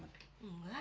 kamu janjian sama teman